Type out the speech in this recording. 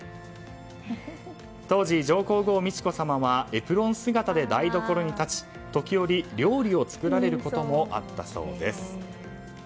当時、上皇后・美智子さまはエプロン姿で台所に立ち時折、料理を作られることもあったそうです。